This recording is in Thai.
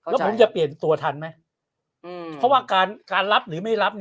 แล้วผมจะเปลี่ยนตัวทันไหมเพราะว่าการการรับหรือไม่รับ